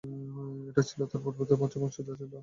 এটা ছিল তূর পর্বতের পশ্চিমাংশ যা ছিল তার ডান দিকে।